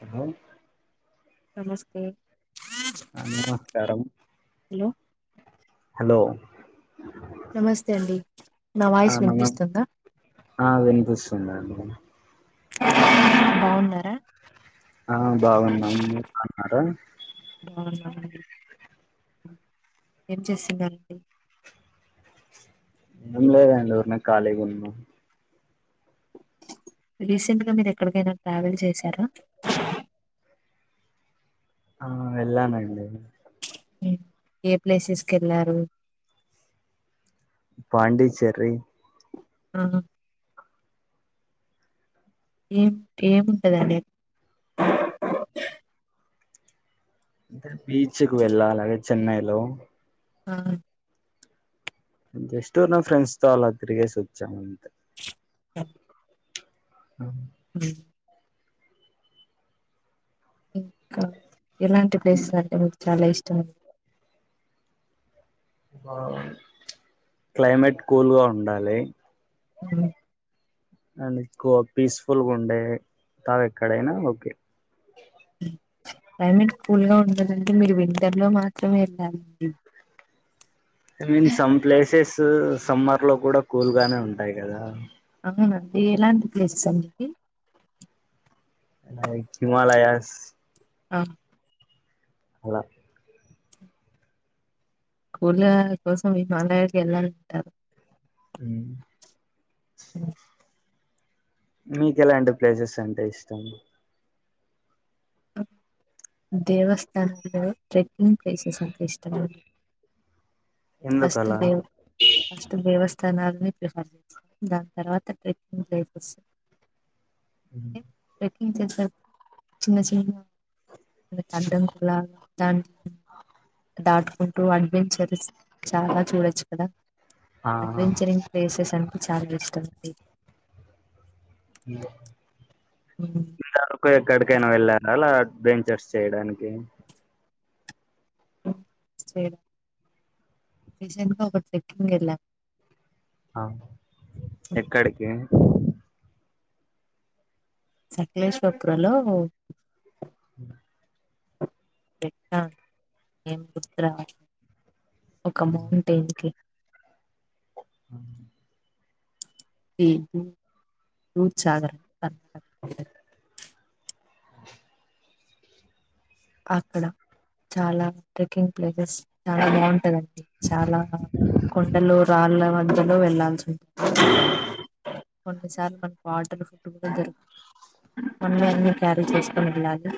Hello నమస్తే ఆ నమస్కారం హలో హలో నమస్తే అండి నా ఆ వాయిస్ నమస్ వినిపిస్తుందా ఆ వినిపిస్తుందండి బావున్నారా ఆ బాగున్నాం మీరు బావున్నారా అవునండి ఏం చేసిందండి ఏం లేదండి ఊరినే ఖాళీ గా ఉన్న రీసెంట్గా మీరు ఎక్కడికైనా ట్రావెల్ చేశారా ఆ వెళ్ళానండి ఉమ్. ఏ ప్లేసెస్ కి వెళ్ళారు పాండిచ్చేరి ఆ ఏం ఏముంటదండి అంటే బీచ్కి వెళ్ళాలి చెన్నైలో ఆ జస్ట్ నా ఫ్రెండ్స్ తో అలా తిరిగేసి వచ్చాము అంతే ఆ హ్మ్ ఇంకా ఎలాంటి ప్లేసెస్ అంటే మీకు చాలా ఇష్టం క్లైమేట్ కూల్ గా ఉండాలి ఉమ్. అండ్ ఎక్కువ పీస్ఫుల్ గుండే తావెక్కడైనా ఓకే క్లైమేట్ కూల్ గా ఉండాలంటే మీరు వింటర్ లో మాత్రమే ఎళ్ళాలండి I mean some places summer లో కూడా కూల్ గానే ఉంటాయి కదా ఏం అండి ఎలాంటి ప్లేసెస్ అండి లైక్ హిమాలయాస్ ఆ అలా [inaudible] కోసం హిమాలయాలకి వెళ్ళాలంటారు ఉమ్ మీకు ఎలాంటి ప్లేసెస్ అంటే ఇష్టం దేవస్థానంలో టేకింగ్ ప్లేసెస్ అంటే ఇష్టం ఫస్ట్ ఎందుకలా దేవుడు ఫస్ట్ దేవస్థా తనాలని [unintelligible] దాని తర్వాత టేకింగ్ ప్లేసెస్ హ ఏం చేసర్ చిన్న చిన్న అడ్డం కూడాలా దాన్ని దాటుకుంటూ అడ్వెంచర్స్ చాలా చూడచ్చు కదా ఆ అడ్వెంచరింగ్ ప్లేసెస్ అంటే చాలా ఇష్టం ది ఉ [unintelligible] ఎక్కడికైనా వెళ్ళారా అలా అడ్వెంచర్స్ చేయడానికి [unintelligible] ఆ ఎక్కడికి సకలేేశ్వపురాలో ఉ ఎట్ట ఏం గుర్తురావట్లే ఒక మౌంటైన్ కి ఆ [unintelligible] ఆ అక్కడ చాలా టేకింగ్ ప్లేసెస్ చాలా బాగుంటదిండి చాలా కొండలు రాళ్ళ మధ్యలో వెళ్లాల్సి ఉంటు కొన్నిసార్లు మన పాటలు [unintelligible] మనమేఅని క్యారి చేసుకునిలాలి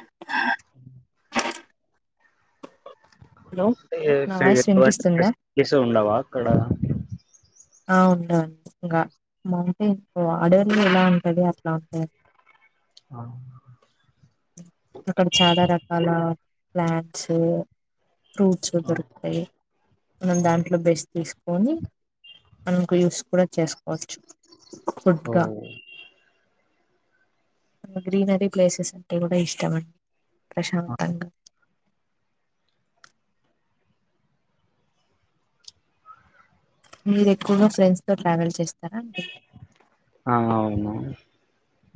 హలో అంటే నా వాయిస్ [unintelligible] వినిపిస్తుందా ఫస్ ఉండవా అక్కడ ఆ ఉండలి ఇంకా మౌంటెన్ ఆర్డర్లు ఎలా ఉంటాంది అట్లా ఉంటాయి ఆ అక్కడ చాలా రకాల ప్యాంట్స్ ఫ్రూట్స్ ఆ దొరుకుతాయి మనం దాంట్లో బెస్ తీసుకొన్ని మనకు యూస్ కూడా చేసుకోవచ్చు ఫుడ్ ఓ గా గ్రీనరీ ప్లేసెస్ అంటే కూడా ఇష్టం అండి ప్రశాంతంగా మీరు ఎక్కువగా ఫ్రెండ్స్ తో ట్రావెల్ చేస్తా ఆ అవునవును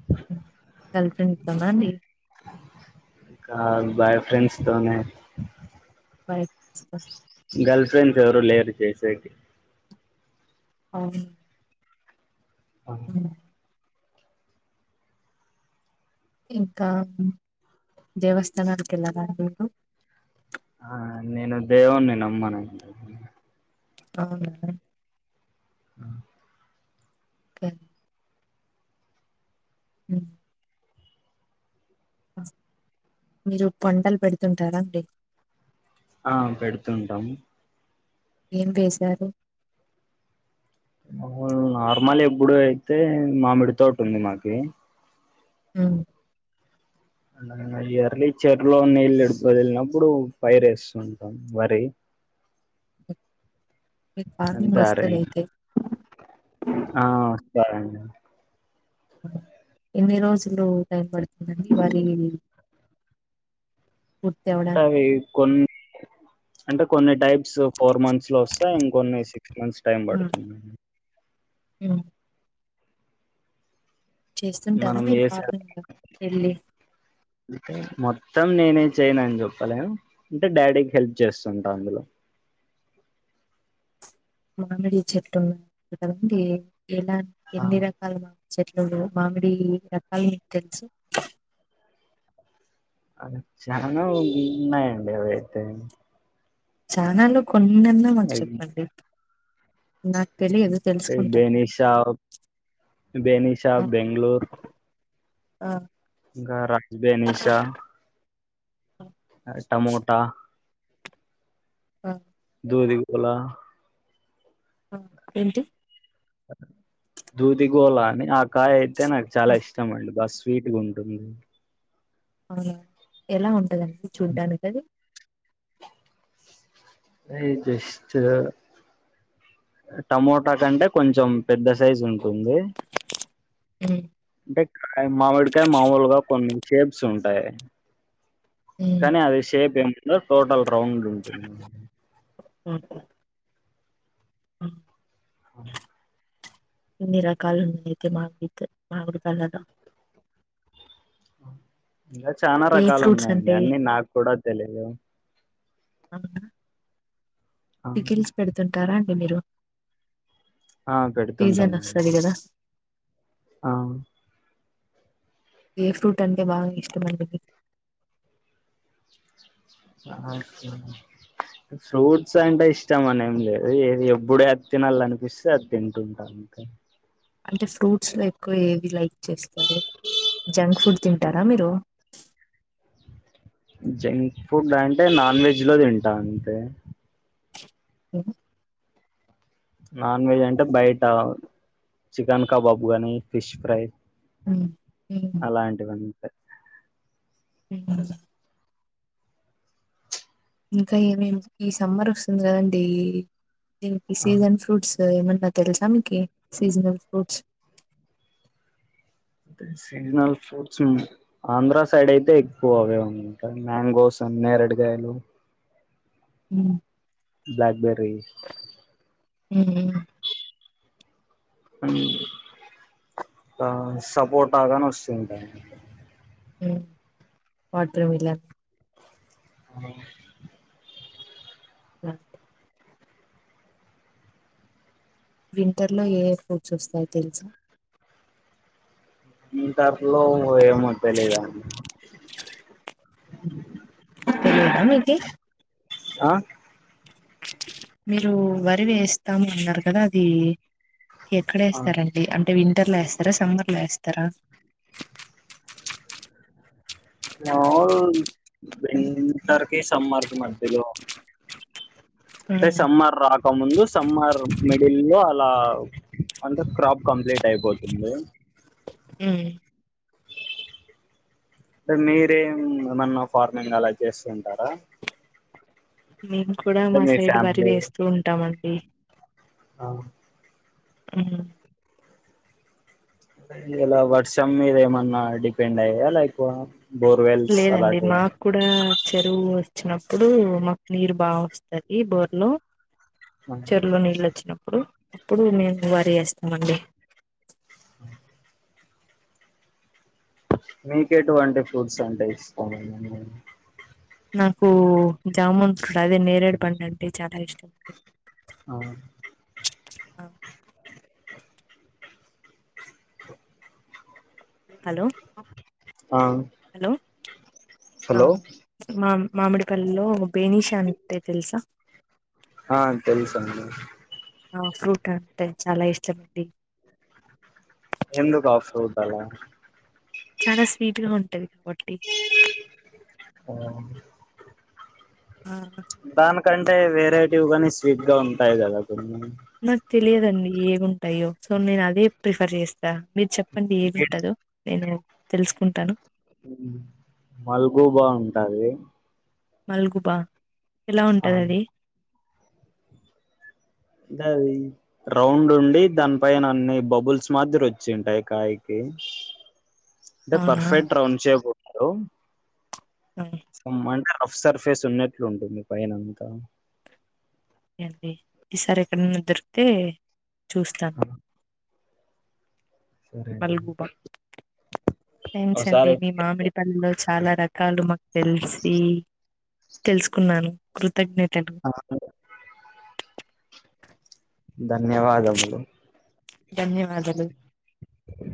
[unintelligible] ఇంకా బాయ్ ఫ్రెండ్స్ తో నే బయటస్ కా గర్ల్ ఫ్రెండ్స్ ఎవరు లేరు చేసేకి అవు అ హ్మ్ ఇంకా దేవస్థానాలకు వెళ్లాలా మీరు ఆ నేను దేవుని నమ్మను అవునా ఆ [unintelligible] హ్మ్ మీరు కొండల్ పెడుతుంటారాడి ఆ పెడుతుంటామ్ ఏం వేశారు ఓమ్ నార్మల్ ఎప్పుడు అయితే మామిడితోటి ఉంది మాకి హ్మ్ అ ఎర్లీ చెర్ లో నీళ్ళు ఎక్కువ వదిలినప్పుడు పైరు వేస్తుంటాం వరి మీకు ఆ ఫార్మింగ్ సరే వస్తది అయితే ఆ వరేండి ఎన్ని రోజులు టైం పడుతుందండి వరి [inaudible] అంటే అవ్వడానికి అవి కొన్ అంటే కొన్ని టైప్స్ ఫోర్ మంత్స్ లో వస్తాయి ఇంకొన్ని సిక్స్ మంత్స్ టైమ్ పడుతుంది హ్మ్ చేస్తుంటారా మనం మీరు ఫార్మింగ్ లో వెళ్ళి టే మొత్తం నేనే చేయనా అని చెప్పలేను అంటే డాడీకి హెల్ప్ చేస్తుంటా అందులో మామిడి చెట్టు ఉంది కదండీ వ ఎలా ఆ ఎన్ని రకాల చెట్టులు మామిడి రకాలు మీకు తెలుసు అవైతే చానా ఉన్నాయండి అవైతే చానాలో కొన్నిన్నా మాకు చెప్పండి నా తెలియదు తెలుసుకుంటాను బేనిషా బేనిషా బెంగళూరు ఆ ఇంకా రాజ్బినిషా టమోటా ఆ దు దీపులా ఏంటి దూది గోళ అని ఆ కాయ అయితే నాకు ఆ చాలా ఇష్టం అండి బస్ స్వీట్ గా ఉంటుంది అవునా ఎలా ఉంటదండి చూడ్డానికి అది ఏ జెస్టు టమోటా కంటే కొంచెం పెద్ద సైజు ఉంటుంది ఉంది ఉమ్ అంటే కాయీ మామిడికాయ మామూలుగా కొన్ని షేప్స్ ఉంటాయి ఉమ్ కానీ అది షేప్ ఏమి టోటల్ రౌండ్ ఉంటుంది ఆహ్ ఆ [inaudible] ఇన్ని రకాలు ఉన్నయ్ ఐతే మామిడితో మావిడికాయలు ఇంకా చానా రకాలు ఉన్నాయండి అంటే అన్ని నాకు కూడా తెలిదు అవునా పికిల్స్ పెడుతుంటారా అండి మీరు ఆ సీజన్ పెడుతుంటామండి వస్తది కదా ఆ ఏ ఫ్రూట్ అంటే బాగా ఇష్టమండి మీకు ఆహ్ [unintelligible] ఫ్రూట్స్ అంటే ఇష్టం అనేం లేదు ఏది ఎప్పుడు ఏది తినాలనిపిస్తే అది తింటుంటాం ఇంకా అంటే ఫ్రూట్స్ లో ఎక్కువ ఏవి లైక్ చేస్తారు జంక్ ఫుడ్ తింటారా మీరు జంక్ ఫుడ్ అంటే నాన్ వెజ్ లో తింటా అంతే హలో నాన్ వెజ్ అంటే బయట చికెన్ కబాబ్ కాని ఫిష్ ఫ్రై హ్మ్ అలాంటివన్ని [inaudible] ఇంకా ఏమేమి ఈ సమ్మర్ వస్తుంది కద అండి దీనికి సీజన్ ఫ్రూట్స్ ఏమన్నా న్న తెలుసా మీకి సీజనల్ ఫ్రూట్స్ అయితే సీజనల్ ఫ్రూట్స్ ఆంధ్ర సైడ్ అయితే ఎక్కువ అవే ఉంటయి మ్యాంగోస్ నేరేడు కాయలు హు బ్లాక్ బెర్రీ ఉ సపోటా గాని వస్తుంటాయి అండి వాటర్మీలోన్ ఆ అఓ వింటర్లో ఏ ఫ్రూట్స్ వస్తాయో తెలుసా వింటర్ లో ఏమో తిలియదు అండి తెలీదా మీకి ఆ మీరు వరి వేస్తాము అన్నారు కదా అది ఆ ఎక్కడేస్తారండి అంటే వి వింటర్ లో వేస్తారా సమ్మర్ లో వేస్తారా మామూలుగా వింటర్ కీ సమ్మర్కి మండ్డిలో అే హ్మ్. సమ్మార్ రాక ముందు సమ్మార్ మిడిల్ లో అలా అంత క్రాప్ కంప్లీట్ అయిపోతుంది హ్మ్ అంటే మీరేం ఏమన్నా ఫార్మింగ్ అలా చేస్తు ఉంటారా మేము కూడా మా సైడ్ వరి ఫ్యామిలీ వేస్తూ ఉంటామండి ఆ హ్మ్ ఇలా వర్షం మీద ఏమన్నా డిపెండ్ అయయా లైక్ బోర్వెల్స్ లేదండి అలాంటి మాకు కూడా చెరువు వచ్చినప్పుడు మాకు నీరు బాగా వస్తుది బోర్లో చెర్లో నీళ్ళు వచ్చినప్పుడు అప్పుడు మేము వరి చేస్తామండి మీక ఎటువంటి ఫ్రూట్స్ అంటే ఇష్టం నాకు జాముూన్ ఫ అదే నేరేడు పండు అండి చాలా ఇష్టం ఆ అ హలో ఆ హలో హలో మా మామిడిపల్లిలో బేనీష అంటే తెలుసా ఆ తెలుసా అండి ఆ ఫ్రూట్ అంటే చాలా ఇష్టమ అండి ఎందుకు ఆ ఫ్రూట్ అలా చాలా స్వీట్గా ఉంటంది కబడ్టి ఆ ఆ దానికంటే వెరైటీ కానీ స్వీట్ గా ఉంటాయి కదా కొన్నిం నాకు తెలియదండి ఏగుంటాయో సో నేను అదే ప్రిఫర్ చేస్తా మీరు చెప్ప అప్పడి ఏదింటదు నేను తెలుసుకుంటాను మల్గుగూబ ఉంటది మల్గుబా ఎలా ఉంటుంది అది అంటే అది రౌండ్ ఉండి దాని పన అన్ని బబుల్స్ మాధర వచ్చింటాయి కాయకి అంటే అవునా పర్ఫెక్ట్ రౌండ్ చేయబారు ఆ! ఓకే అంత రఫ్ సర్ఫేస్ ఉన్నట్లు ఉంటుంది మీ పైనంతా ఈసారి ఎక్కడన్న దొరికితే చూస్తాను సరే మల్గుబా థ్యాంక్స్ అండి ఒకసారి మీ మామిడిపల్లెలో చాలా రకాలు మాకు తెలిసి తెలుసుకున్నాను కృతజ్ఞ ఆ సరే ధన్యవాదములు ధన్యవాదాలు